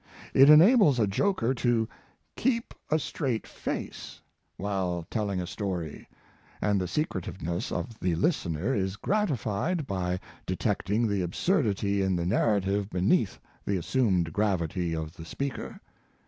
It enables a joker to "keep a straight face" while telling a story, and the secretiveness of the listener . is gratified by detecting the absurdity in . the narrative beneath the assumed gravity of the speaker.